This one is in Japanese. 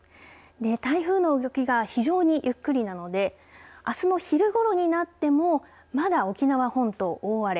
台風の動きが非常にゆっくりなのであすの昼ごろになってもまだ沖縄本島、大荒れ。